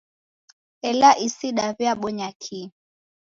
Ela isi daw'iabonya kii?